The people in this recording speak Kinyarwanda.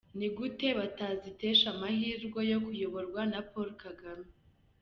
Ni gute batazitesha amahirwe yo kuyoborwa na Paul Kagame?.